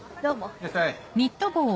いらっしゃい。